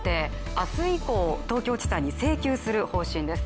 明日以降、東京地裁に請求する方針です。